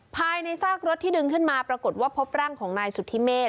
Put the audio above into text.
ภายในซากรถที่ดึงขึ้นมาปรากฏว่าพบร่างของนายสุธิเมฆ